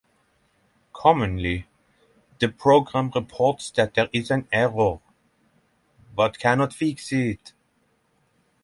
Commonly, the program reports that there is an error, but cannot fix it.